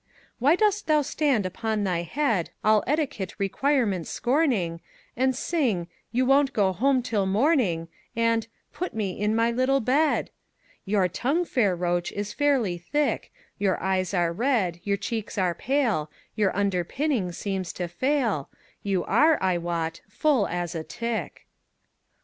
Why dost thou stand upon thy head, All etiquette requirements scorning, And sing "You won't go home till morning" And "Put me in my little bed"? Your tongue, fair roach, is very thick, Your eyes are red, your cheeks are pale, Your underpinning seems to fail, You are, I wot, full as a tick.